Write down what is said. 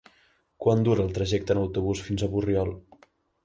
Quant dura el trajecte en autobús fins a Borriol?